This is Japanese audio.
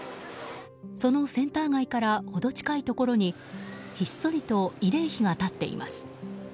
そのセンター街からほど近いところにひっそりと慰霊碑が立っています。